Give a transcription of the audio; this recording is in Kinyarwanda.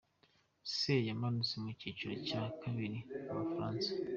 C yamanutse mu cyiciro cya kabiri mu Bufaransa.